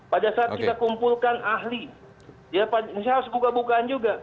pada saat kita kumpulkan ahli ya saya harus buka bukaan juga